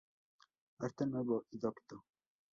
Arte nuevo y docto.